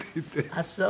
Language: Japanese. あっそう。